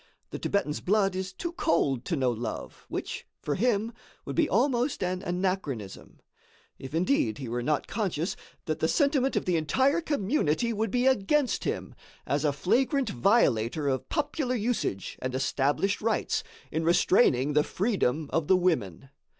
The Thibetan's blood is too cold to know love, which, for him, would be almost an anachronism; if indeed he were not conscious that the sentiment of the entire community would be against him, as a flagrant violator of popular usage and established rights, in restraining the freedom of the women.